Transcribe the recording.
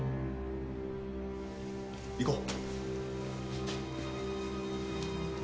行こう。